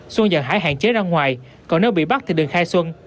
xuân dặn hải hạn chế ra ngoài còn nếu bị bắt thì đừng khai xuân